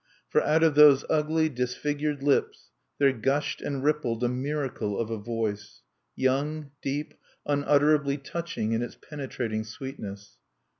For out of those ugly disfigured lips there gushed and rippled a miracle of a voice young, deep, unutterably touching in its penetrating sweetness.